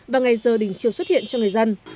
và ngày giờ đỉnh chiều xuất hiện cho người dân